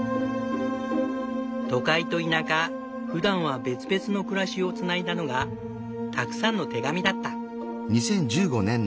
都会と田舎ふだんは別々の暮らしをつないだのがたくさんの手紙だった。